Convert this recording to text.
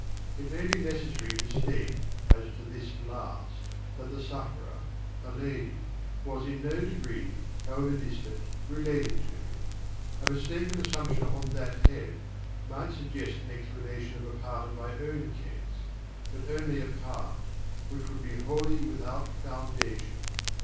It may be necessary to state as to this last that the sufferer (a lady) was in no degree, however distant, related to me. A mistaken assumption on that head, might suggest an explanation of a part of my own case but only a part which would be wholly without foundation.